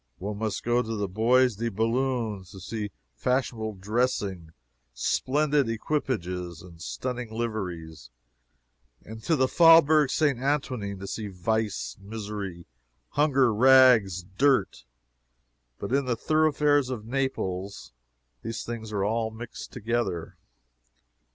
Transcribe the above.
One must go to the Bois de Boulogne to see fashionable dressing, splendid equipages and stunning liveries, and to the Faubourg St. Antoine to see vice, misery, hunger, rags, dirt but in the thoroughfares of Naples these things are all mixed together.